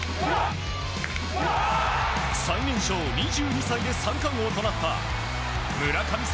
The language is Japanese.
最年少２２歳で三冠王となった村神様